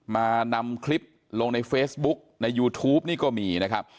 นำคลิปลงในเฟซบุ๊กในยูทูปนี่ก็มีนะครับ